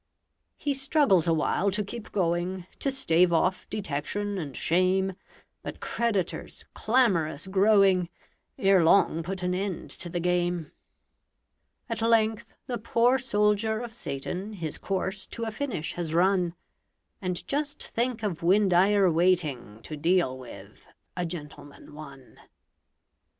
He struggles awhile to keep going, To stave off detection and shame; But creditors, clamorous growing, Ere long put an end to the game. At length the poor soldier of Satan His course to a finish has run And just think of Windeyer waiting To deal with "A Gentleman, One"!